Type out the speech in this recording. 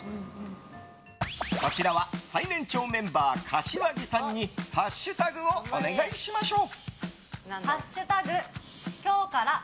こちらは最年長メンバー柏木さんにハッシュタグをお願いしましょう。